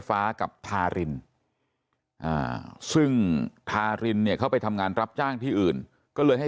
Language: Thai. ฟ้ากับทารินซึ่งทารินเนี่ยเขาไปทำงานรับจ้างที่อื่นก็เลยให้